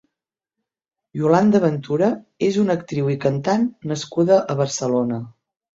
Yolanda Ventura és una actriu i cantant nascuda a Barcelona.